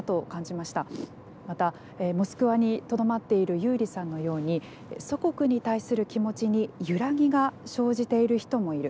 また、モスクワにとどまっているユーリさんのように祖国に対する気持ちに揺らぎが生じている人もいる。